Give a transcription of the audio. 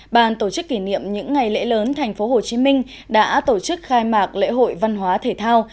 bàn tổ chức kỷ niệm những ngày lễ lớn thành phố hồ chí minh đã tổ chức khai mạc lễ hội văn hóa thể thao